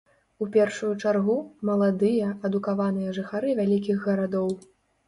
У першую чаргу, маладыя, адукаваныя жыхары вялікіх гарадоў.